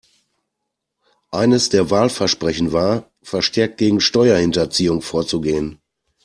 Eines der Wahlversprechen war, verstärkt gegen Steuerhinterziehung vorzugehen.